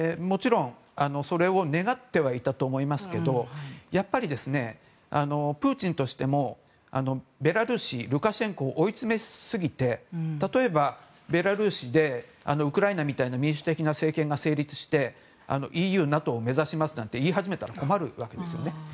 それを願ってはいたと思いますけどやっぱりプーチンとしてもベラルーシ、ルカシェンコを追い詰めすぎて例えばベラルーシでウクライナみたいな民主的な政権が成立してＥＵ、ＮＡＴＯを目指しますなんて言い始めたら困るわけですよね。